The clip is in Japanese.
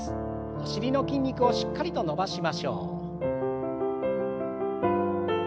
お尻の筋肉をしっかりと伸ばしましょう。